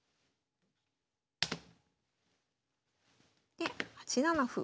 で８七歩。